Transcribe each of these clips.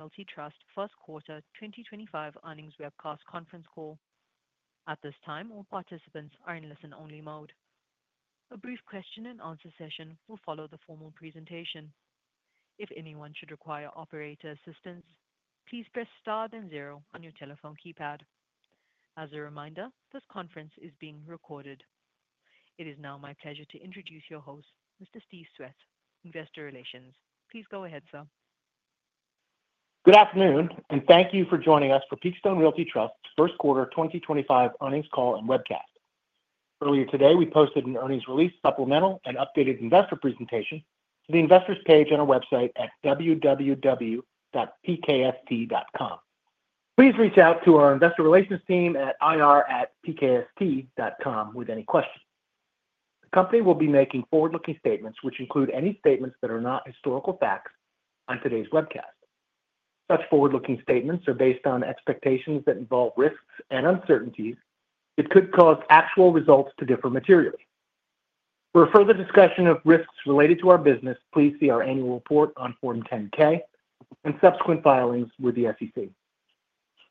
Realty Trust First Quarter 2025 Earnings Webcast conference call. At this time, all participants are in listen-only mode. A brief question-and-answer session will follow the formal presentation. If anyone should require operator assistance, please press star then zero on your telephone keypad. As a reminder, this conference is being recorded. It is now my pleasure to introduce your host, Mr. Steve Swett, Investor Relations. Please go ahead, sir. Good afternoon, and thank you for joining us for Peakstone Realty Trust's First Quarter 2025 Earnings Call and Webcast. Earlier today, we posted an earnings release, supplemental, and updated investor presentation to the investors' page on our website at www.pkst.com. Please reach out to our investor relations team at ir@pkst.com with any questions. The company will be making forward-looking statements, which include any statements that are not historical facts on today's webcast. Such forward-looking statements are based on expectations that involve risks and uncertainties that could cause actual results to differ materially. For further discussion of risks related to our business, please see our annual report on Form 10-K and subsequent filings with the SEC.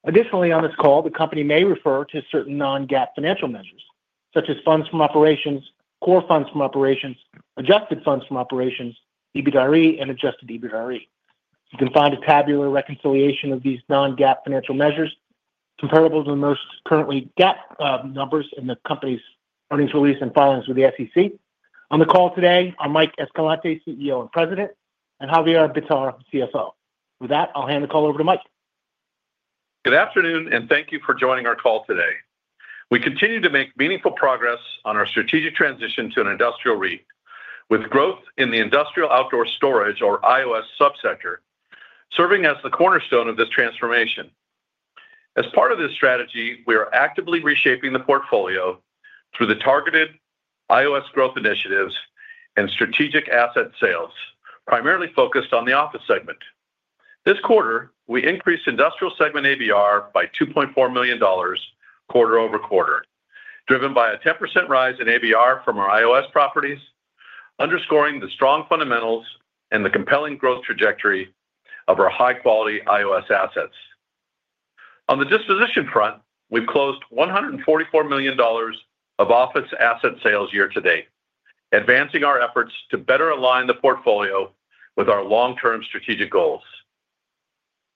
Additionally, on this call, the company may refer to certain non-GAAP financial measures, such as funds from operations, core funds from operations, adjusted funds from operations, EBITDA RE, and adjusted EBITDA RE. You can find a tabular reconciliation of these non-GAAP financial measures comparable to most currently GAAP numbers in the company's earnings release and filings with the SEC. On the call today are Mike Escalante, CEO and President, and Javier Bitar, CFO. With that, I'll hand the call over to Mike. Good afternoon, and thank you for joining our call today. We continue to make meaningful progress on our strategic transition to an industrial REIT, with growth in the Industrial Outdoor Storage, or IOS Subsector serving as the cornerstone of this transformation. As part of this strategy, we are actively reshaping the portfolio through the targeted IOS growth initiatives and strategic asset sales, primarily focused on the office segment. This quarter, we increased industrial segment ABR by $2.4 million quarter over quarter, driven by a 10% rise in ABR from our IOS properties, underscoring the strong fundamentals and the compelling growth trajectory of our high-quality IOS assets. On the disposition front, we've closed $144 million of office asset sales year to date, advancing our efforts to better align the portfolio with our long-term strategic goals.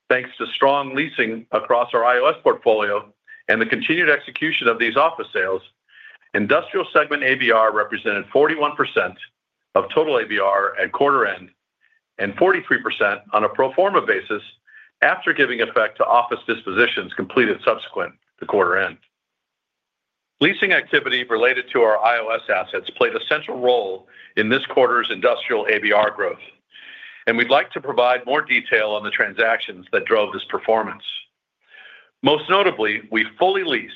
Thanks to strong leasing across our IOS portfolio and the continued execution of these office sales, industrial segment ABR represented 41% of total ABR at quarter end and 43% on a pro forma basis after giving effect to office dispositions completed subsequent to quarter end. Leasing activity related to our IOS assets played a central role in this quarter's industrial ABR growth, and we'd like to provide more detail on the transactions that drove this performance. Most notably, we fully leased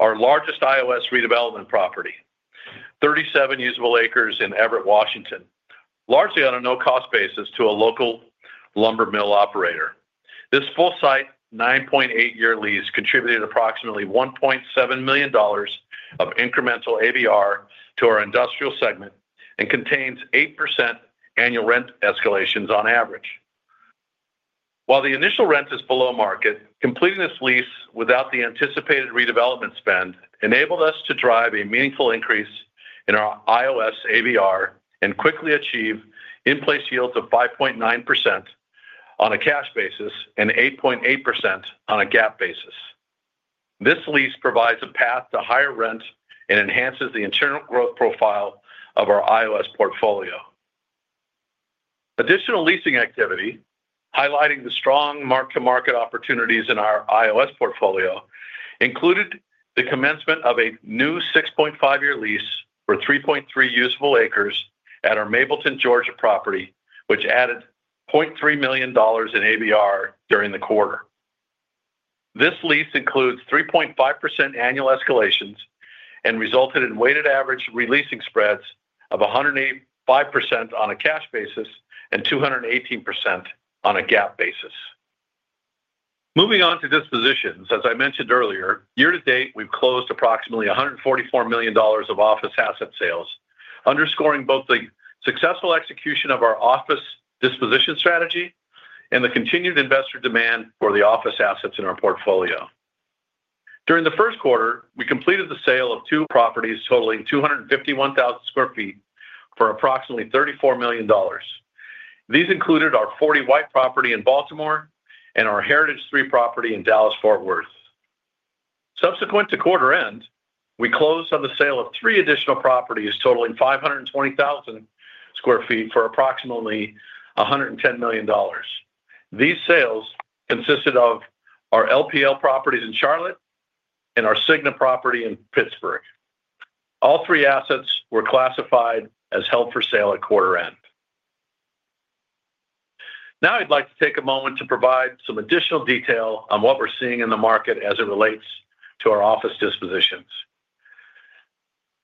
our largest IOS redevelopment property, 37 usable acres in Everett, Washington, largely on a no-cost basis to a local lumber mill operator. This full-site, 9.8-year lease contributed approximately $1.7 million of incremental ABR to our industrial segment and contains 8% annual rent escalations on average. While the initial rent is below market, completing this lease without the anticipated redevelopment spend enabled us to drive a meaningful increase in our IOS ABR and quickly achieve in-place yields of 5.9% on a cash basis and 8.8% on a GAAP basis. This lease provides a path to higher rent and enhances the internal growth profile of our IOS portfolio. Additional leasing activity, highlighting the strong mark-to-market opportunities in our IOS portfolio, included the commencement of a new 6.5-year lease for 3.3 usable acres at our Mableton, Georgia, property, which added $0.3 million in ABR during the quarter. This lease includes 3.5% annual escalations and resulted in weighted average releasing spreads of 105% on a cash basis and 218% on a GAAP basis. Moving on to dispositions, as I mentioned earlier, year to date, we've closed approximately $144 million of office asset sales, underscoring both the successful execution of our office disposition strategy and the continued investor demand for the office assets in our portfolio. During the first quarter, we completed the sale of two properties totaling 251,000 sq ft for approximately $34 million. These included our 40 White property in Baltimore and our Heritage Three property in Dallas, Fort Worth. Subsequent to quarter end, we closed on the sale of three additional properties totaling 520,000 sq ft for approximately $110 million. These sales consisted of our LPL properties in Charlotte and our Cigna property in Pittsburgh. All three assets were classified as held for sale at quarter end. Now, I'd like to take a moment to provide some additional detail on what we're seeing in the market as it relates to our office dispositions.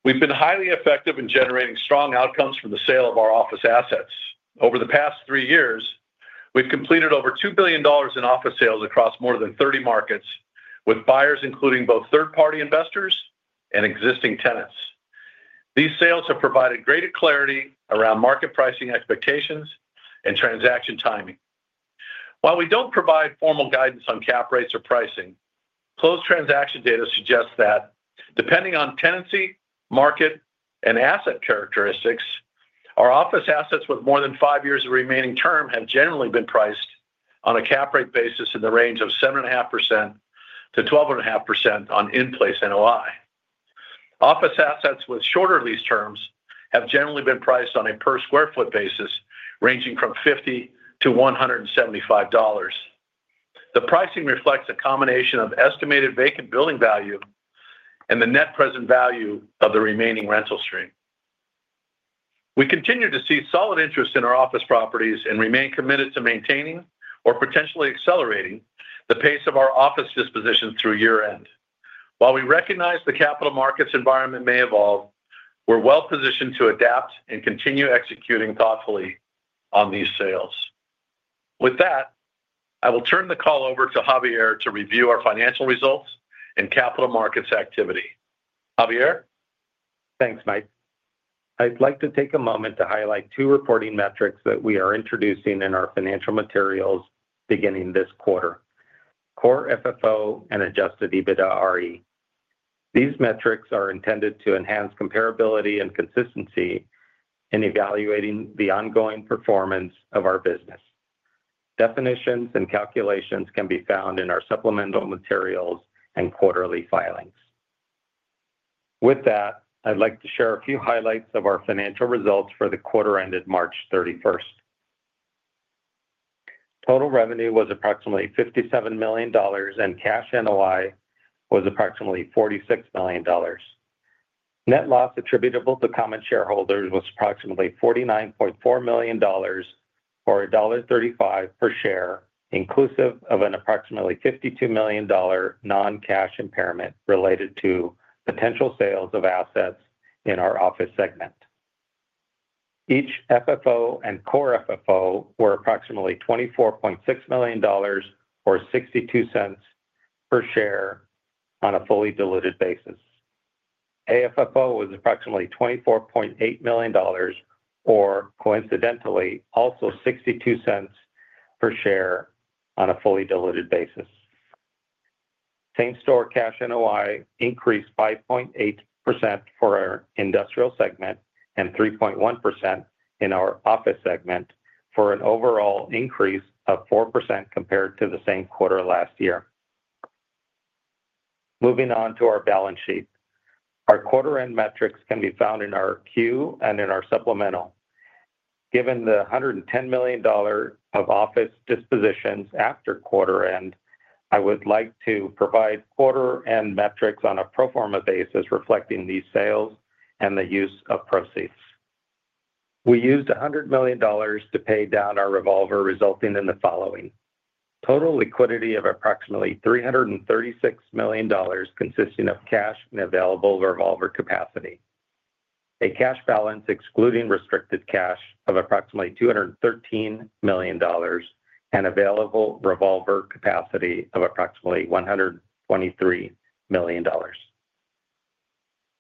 We've been highly effective in generating strong outcomes from the sale of our office assets. Over the past three years, we've completed over $2 billion in office sales across more than 30 markets, with buyers including both third-party investors and existing tenants. These sales have provided greater clarity around market pricing expectations and transaction timing. While we don't provide formal guidance on cap rates or pricing, closed transaction data suggests that, depending on tenancy, market, and asset characteristics, our office assets with more than five years of remaining term have generally been priced on a cap rate basis in the range of 7.5%-12.5% on in-place NOI. Office assets with shorter lease terms have generally been priced on a per-square-foot basis ranging from $50-$175. The pricing reflects a combination of estimated vacant building value and the net present value of the remaining rental stream. We continue to see solid interest in our office properties and remain committed to maintaining or potentially accelerating the pace of our office dispositions through year end. While we recognize the capital markets environment may evolve, we're well-positioned to adapt and continue executing thoughtfully on these sales. With that, I will turn the call over to Javier to review our financial results and capital markets activity. Javier. Thanks, Mike. I'd like to take a moment to highlight two reporting metrics that we are introducing in our financial materials beginning this quarter: Core FFO and Adjusted EBITDA RE. These metrics are intended to enhance comparability and consistency in evaluating the ongoing performance of our business. Definitions and calculations can be found in our supplemental materials and quarterly filings. With that, I'd like to share a few highlights of our financial results for the quarter ended March 31. Total revenue was approximately $57 million, and cash NOI was approximately $46 million. Net Loss Attributable to common shareholders was approximately $49.4 million or $1.35 per share, inclusive of an approximately $52 million non-cash impairment related to potential sales of assets in our office segment. Each FFO and Core FFO were approximately $24.6 million or $0.62 per share on a fully diluted basis. AFFO was approximately $24.8 million or, coincidentally, also $0.62 per share on a fully diluted basis. Same-store cash NOI increased 5.8% for our industrial segment and 3.1% in our office segment for an overall increase of 4% compared to the same quarter last year. Moving on to our balance sheet, our quarter-end metrics can be found in our Q and in our supplemental. Given the $110 million of office dispositions after quarter end, I would like to provide quarter-end metrics on a pro forma basis reflecting these sales and the use of proceeds. We used $100 million to pay down our revolver, resulting in the following: total liquidity of approximately $336 million consisting of cash and available Revolver Capacity, a cash balance excluding restricted cash of approximately $213 million, and available Revolver Capacity of approximately $123 million.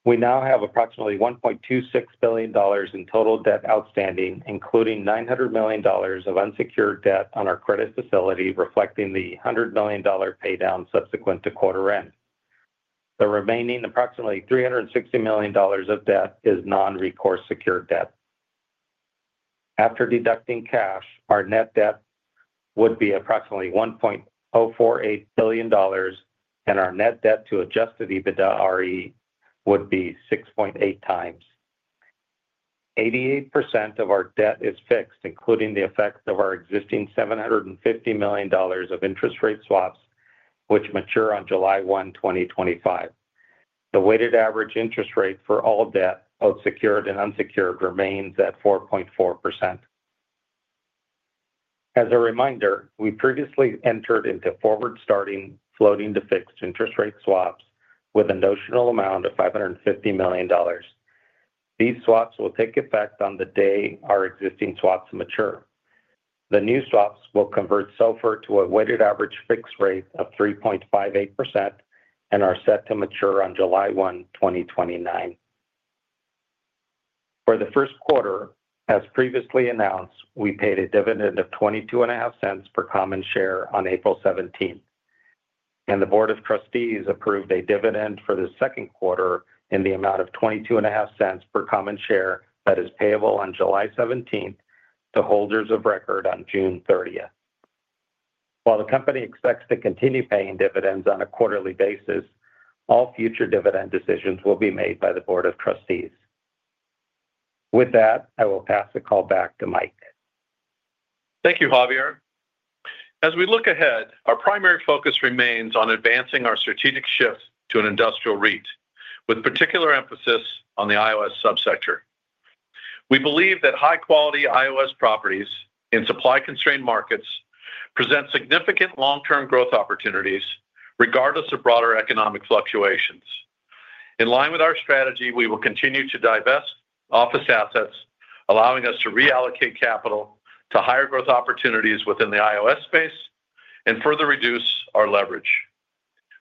We now have approximately $1.26 billion in Total Debt Outstanding, including $900 million of unsecured debt on our credit facility, reflecting the $100 million paydown subsequent to quarter end. The remaining approximately $360 million of debt is non-recourse secured debt. After deducting cash, our net debt would be approximately $1.048 billion, and our net debt to adjusted EBITDA RE would be 6.8 times. 88% of our debt is fixed, including the effect of our existing $750 million of interest rate swaps, which mature on July 1, 2025. The weighted average interest rate for all debt, both secured and unsecured, remains at 4.4%. As a reminder, we previously entered into forward-starting floating-to-fixed interest rate swaps with a notional amount of $550 million. These swaps will take effect on the day our existing swaps mature. The new swaps will convert SOFR to a weighted average fixed rate of 3.58% and are set to mature on July 1, 2029. For the first quarter, as previously announced, we paid a dividend of $0.225 per common share on April 17, and the Board of Trustees approved a dividend for the second quarter in the amount of $0.225 per common share that is payable on July 17 to holders of record on June 30. While the company expects to continue paying dividends on a quarterly basis, all future dividend decisions will be made by the Board of Trustees. With that, I will pass the call back to Mike. Thank you, Javier. As we look ahead, our primary focus remains on advancing our strategic shift to an industrial REIT, with particular emphasis on the IOS subsector. We believe that high-quality IOS properties in supply-constrained markets present significant long-term growth opportunities, regardless of broader economic fluctuations. In line with our strategy, we will continue to divest office assets, allowing us to reallocate capital to higher growth opportunities within the IOS space and further reduce our leverage.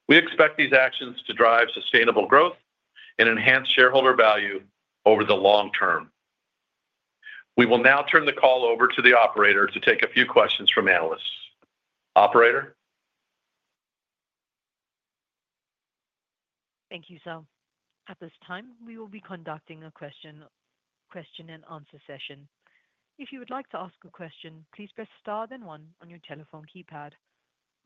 We expect these actions to drive sustainable growth and enhance shareholder value over the long term. We will now turn the call over to the operator to take a few questions from analysts. Operator? Thank you, sir. At this time, we will be conducting a question and answer session. If you would like to ask a question, please press star then one on your telephone keypad.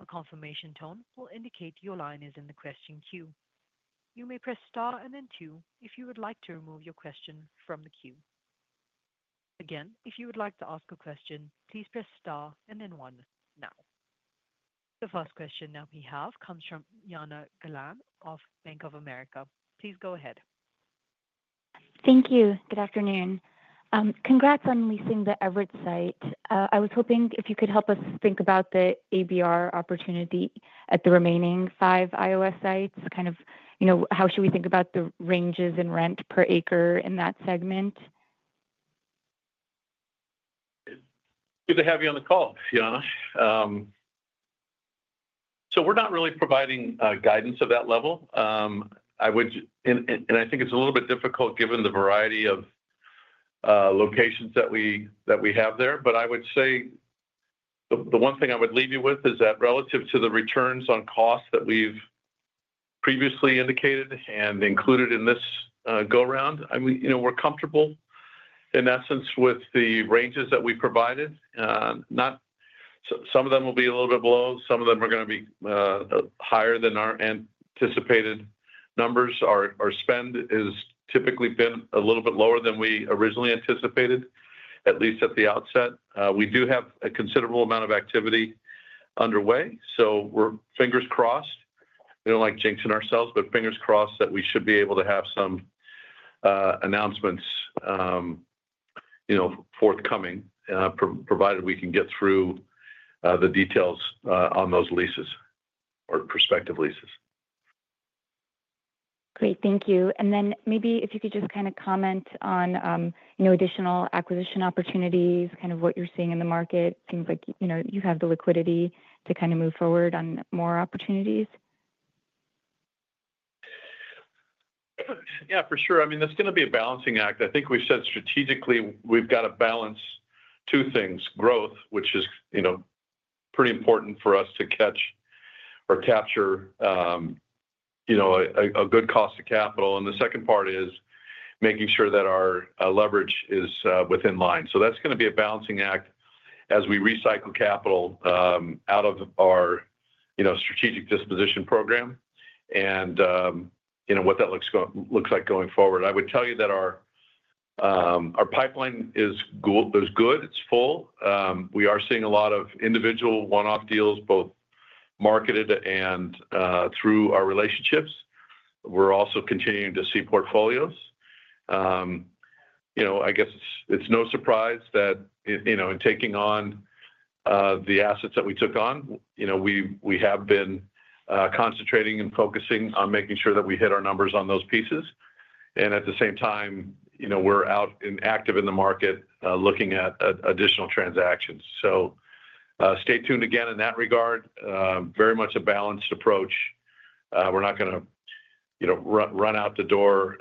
A confirmation tone will indicate your line is in the question queue. You may press star and then two if you would like to remove your question from the queue. Again, if you would like to ask a question, please press star and then one now. The first question that we have comes from Jana Galan of Bank of America. Please go ahead. Thank you. Good afternoon. Congrats on leasing the Everett site. I was hoping if you could help us think about the ABR opportunity at the remaining five IOS sites, kind of how should we think about the ranges in rent per acre in that segment? Good to have you on the call, Jana. We're not really providing guidance of that level. I think it's a little bit difficult given the variety of locations that we have there. I would say the one thing I would leave you with is that relative to the returns on costs that we've previously indicated and included in this go-round, we're comfortable, in essence, with the ranges that we provided. Some of them will be a little bit below. Some of them are going to be higher than our anticipated numbers. Our spend has typically been a little bit lower than we originally anticipated, at least at the outset. We do have a considerable amount of activity underway, so we're fingers crossed. We don't like jinxing ourselves, but fingers crossed that we should be able to have some announcements forthcoming, provided we can get through the details on those leases or prospective leases. Great. Thank you. Maybe if you could just kind of comment on additional acquisition opportunities, kind of what you're seeing in the market, seems like you have the liquidity to kind of move forward on more opportunities. Yeah, for sure. I mean, that's going to be a balancing act. I think we said strategically we've got to balance two things: growth, which is pretty important for us to catch or capture a good cost of capital. The second part is making sure that our leverage is within line. That's going to be a balancing act as we recycle capital out of our strategic disposition program and what that looks like going forward. I would tell you that our pipeline is good. It's full. We are seeing a lot of individual one-off deals, both marketed and through our relationships. We're also continuing to see portfolios. I guess it's no surprise that in taking on the assets that we took on, we have been concentrating and focusing on making sure that we hit our numbers on those pieces. At the same time, we're out and active in the market looking at additional transactions. Stay tuned again in that regard. Very much a balanced approach. We're not going to run out the door,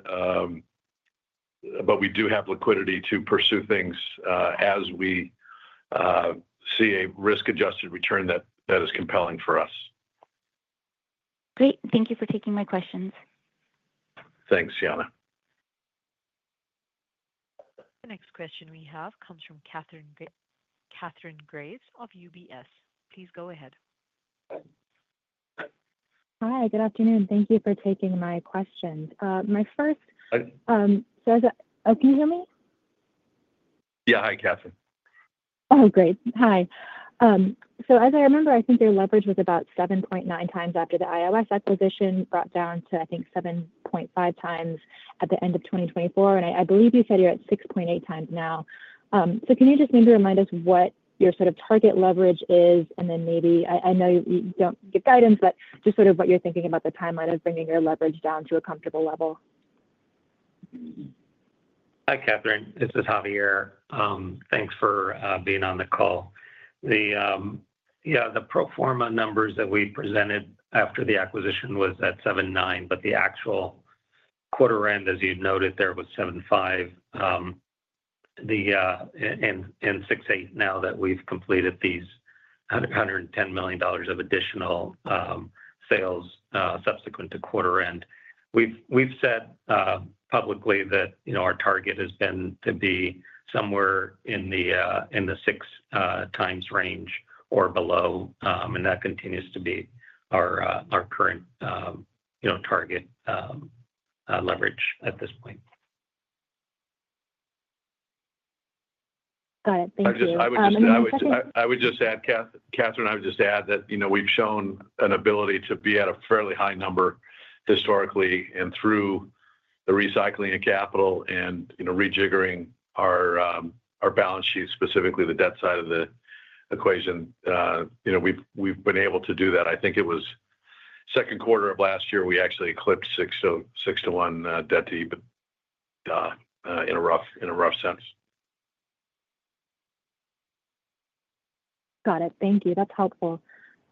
but we do have liquidity to pursue things as we see a risk-adjusted return that is compelling for us. Great. Thank you for taking my questions. Thanks, Jana. The next question we have comes from Kathryn Graves of UBS. Please go ahead. Hi. Good afternoon. Thank you for taking my questions. My first—so can you hear me? Yeah. Hi, Kathryn. Oh, great. Hi. As I remember, I think your leverage was about 7.9 times after the IOS acquisition, brought down to, I think, 7.5 times at the end of 2024. I believe you said you're at 6.8 times now. Can you just maybe remind us what your sort of target leverage is? I know you don't give guidance, but just sort of what you're thinking about the timeline of bringing your leverage down to a comfortable level. Hi, Kathryn. This is Javier. Thanks for being on the call. Yeah, the pro forma numbers that we presented after the acquisition was at 7.9, but the actual quarter end, as you noted there, was 7.5 and 6.8 now that we've completed these $110 million of additional sales subsequent to quarter end. We've said publicly that our target has been to be somewhere in the 6 times range or below, and that continues to be our current target leverage at this point. Got it. Thank you. I would just add, Kathryn, I would just add that we've shown an ability to be at a fairly high number historically and through the recycling of capital and rejiggering our balance sheet, specifically the debt side of the equation. We've been able to do that. I think it was second quarter of last year we actually clipped 6 to 1 debt to EBITDA in a rough sense. Got it. Thank you. That's helpful.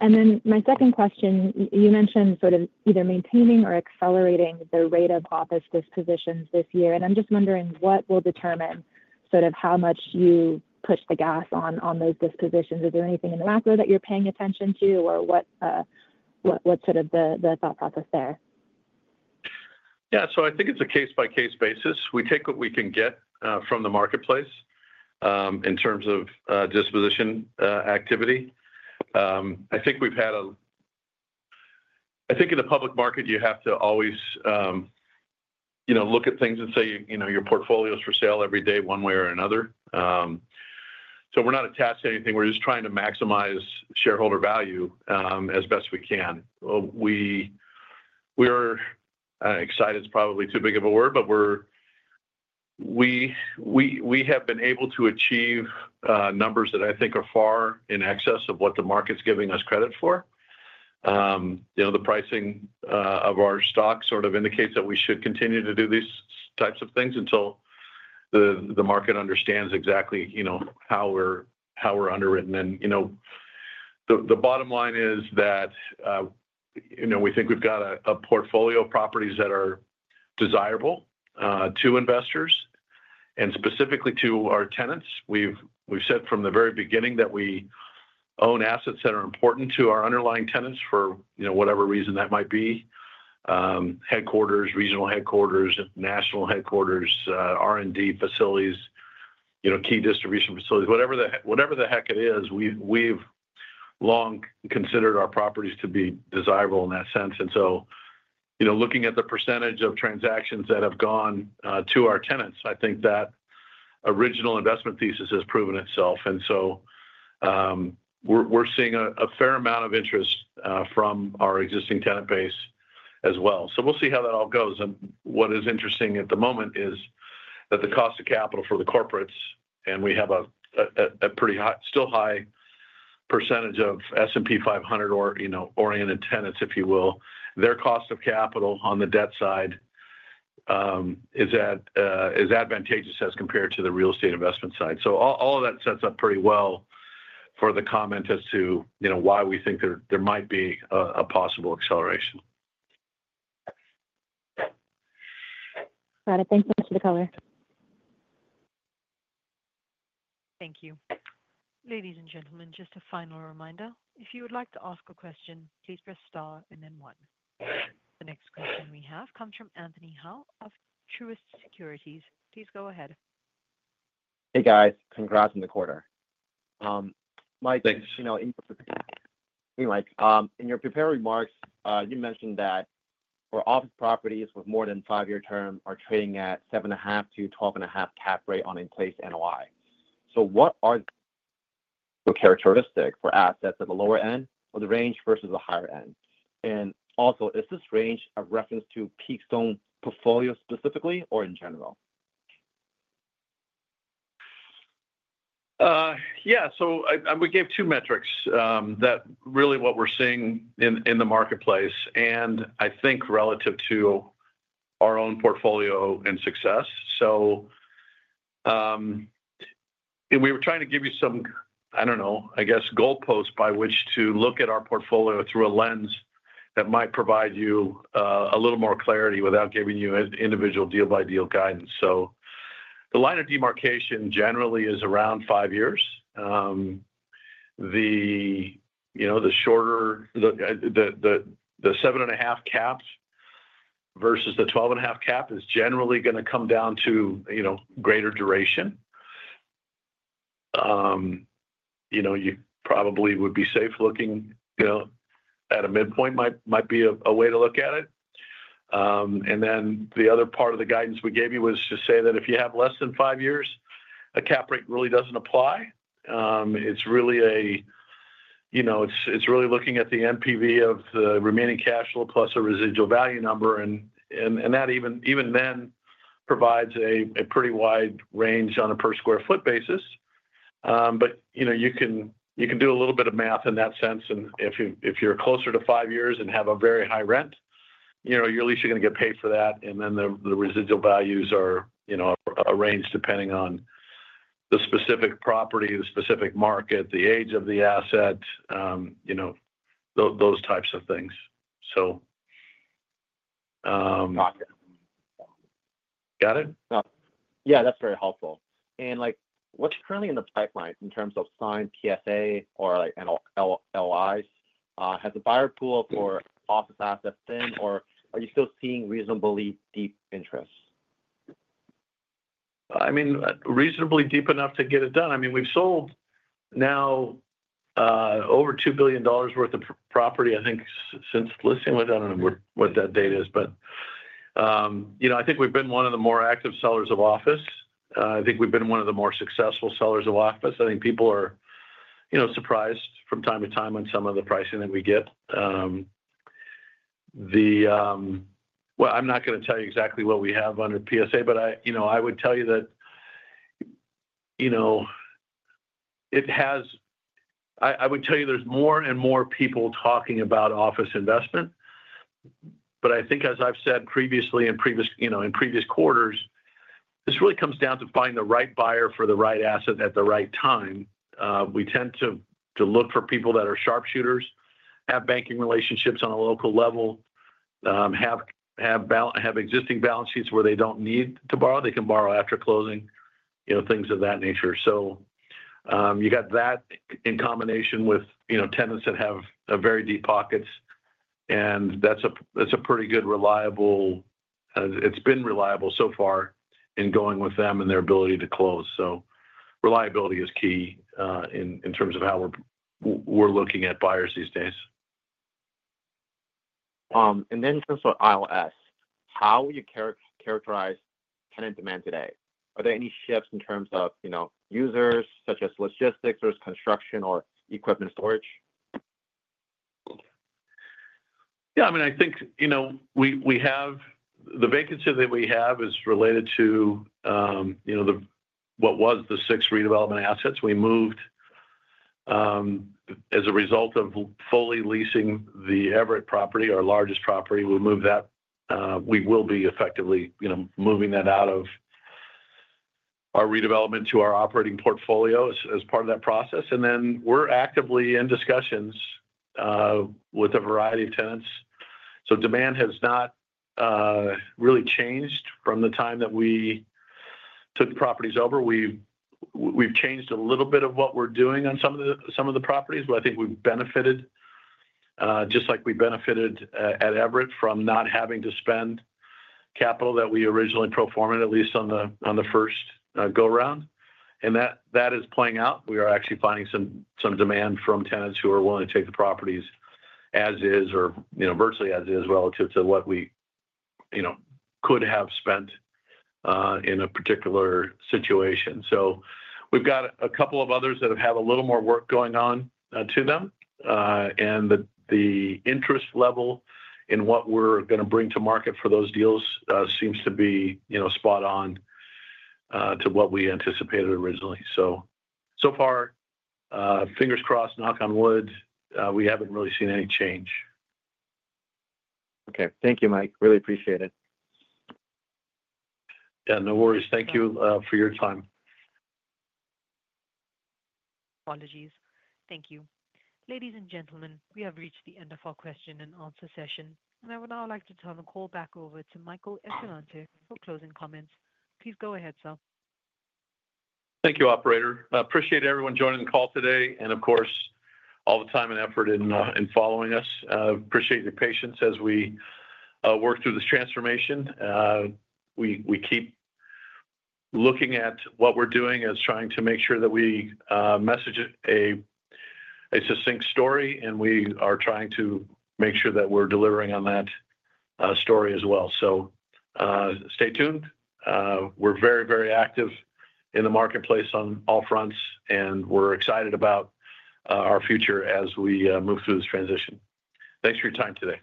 My second question, you mentioned sort of either maintaining or accelerating the rate of office dispositions this year. I'm just wondering what will determine sort of how much you push the gas on those dispositions? Is there anything in the macro that you're paying attention to, or what's sort of the thought process there? Yeah. I think it's a case-by-case basis. We take what we can get from the marketplace in terms of disposition activity. I think in the public market, you have to always look at things and say your portfolio is for sale every day one way or another. We're not attached to anything. We're just trying to maximize shareholder value as best we can. Excited is probably too big of a word, but we have been able to achieve numbers that I think are far in excess of what the market's giving us credit for. The pricing of our stock sort of indicates that we should continue to do these types of things until the market understands exactly how we're underwritten. The bottom line is that we think we've got a portfolio of properties that are desirable to investors and specifically to our tenants. We've said from the very beginning that we own assets that are important to our underlying tenants for whatever reason that might be: headquarters, regional headquarters, national headquarters, R&D facilities, key distribution facilities, whatever the heck it is. We've long considered our properties to be desirable in that sense. Looking at the percentage of transactions that have gone to our tenants, I think that original investment thesis has proven itself. We're seeing a fair amount of interest from our existing tenant base as well. We'll see how that all goes. What is interesting at the moment is that the cost of capital for the corporates—and we have a pretty still high percentage of S&P 500-oriented tenants, if you will—their cost of capital on the debt side is advantageous as compared to the real estate investment side. All of that sets up pretty well for the comment as to why we think there might be a possible acceleration. Got it. Thank you, Mr. Escalante. Thank you. Ladies and gentlemen, just a final reminder. If you would like to ask a question, please press star and then one. The next question we have comes from Anthony Howe of Truist Securities. Please go ahead. Hey, guys. Congrats on the quarter. Mike, thank you for being Mike. In your prepared remarks, you mentioned that for office properties with more than a five-year term, are trading at 7.5%-12.5% cap rate on in-place NOI. What are the characteristics for assets at the lower end of the range versus the higher end? Also, is this range a reference to Peakstone portfolio specifically or in general? Yeah. So we gave two metrics that really what we're seeing in the marketplace and I think relative to our own portfolio and success. We were trying to give you some, I don't know, I guess, goalposts by which to look at our portfolio through a lens that might provide you a little more clarity without giving you individual deal-by-deal guidance. The line of demarcation generally is around five years. The shorter 7.5% cap versus the 12.5% cap is generally going to come down to greater duration. You probably would be safe looking at a midpoint might be a way to look at it. The other part of the guidance we gave you was to say that if you have less than five years, a cap rate really doesn't apply. It's really looking at the NPV of the remaining cash flow plus a residual value number. That even then provides a pretty wide range on a per sq ft basis. You can do a little bit of math in that sense. If you're closer to five years and have a very high rent, you're at least going to get paid for that. The residual values are arranged depending on the specific property, the specific market, the age of the asset, those types of things. Got it? Yeah. That's very helpful. What's currently in the pipeline in terms of signed PSA or LOIs? Has the buyer pool for office assets been, or are you still seeing reasonably deep interests? I mean, reasonably deep enough to get it done. I mean, we've sold now over $2 billion worth of property, I think, since listing with them. I don't know what that date is. I think we've been one of the more active sellers of office. I think we've been one of the more successful sellers of office. I think people are surprised from time to time on some of the pricing that we get. I'm not going to tell you exactly what we have under PSA, but I would tell you that it has—I would tell you there's more and more people talking about office investment. I think, as I've said previously in previous quarters, this really comes down to finding the right buyer for the right asset at the right time. We tend to look for people that are sharp shooters, have banking relationships on a local level, have existing balance sheets where they do not need to borrow. They can borrow after closing, things of that nature. You have that in combination with tenants that have very deep pockets. That is a pretty good, reliable—it has been reliable so far in going with them and their ability to close. Reliability is key in terms of how we are looking at buyers these days. In terms of IOS, how would you characterize tenant demand today? Are there any shifts in terms of users such as logistics or construction or equipment storage? Yeah. I mean, I think we have the vacancy that we have is related to what was the six redevelopment assets. We moved as a result of fully leasing the Everett property, our largest property. We moved that. We will be effectively moving that out of our redevelopment to our operating portfolio as part of that process. I mean, we're actively in discussions with a variety of tenants. Demand has not really changed from the time that we took properties over. We've changed a little bit of what we're doing on some of the properties, but I think we've benefited just like we benefited at Everett from not having to spend capital that we originally proformed, at least on the first go-round. That is playing out. We are actually finding some demand from tenants who are willing to take the properties as is or virtually as is relative to what we could have spent in a particular situation. We have a couple of others that have a little more work going on to them. The interest level in what we are going to bring to market for those deals seems to be spot on to what we anticipated originally. So far, fingers crossed, knock on wood, we have not really seen any change. Okay. Thank you, Mike. Really appreciate it. Yeah. No worries. Thank you for your time. Thank you. Ladies and gentlemen, we have reached the end of our question and answer session. I would now like to turn the call back over to Michael Escalante for closing comments. Please go ahead, sir. Thank you, Operator. I appreciate everyone joining the call today and, of course, all the time and effort in following us. I appreciate your patience as we work through this transformation. We keep looking at what we're doing as trying to make sure that we message a succinct story, and we are trying to make sure that we're delivering on that story as well. Stay tuned. We're very, very active in the marketplace on all fronts, and we're excited about our future as we move through this transition. Thanks for your time today.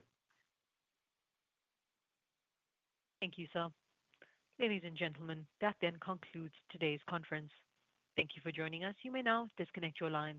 Thank you, sir. Ladies and gentlemen, that then concludes today's conference. Thank you for joining us. You may now disconnect your line.